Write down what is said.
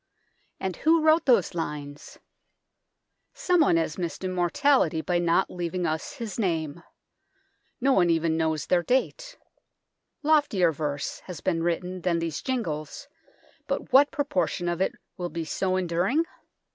And who wrote those lines ? Someone has missed immortality by not leaving us his name. No one even knows their date. Loftier verse has been written than these jingles, but what proportion of it will be so enduring ? BELFRY TOWER OF ST.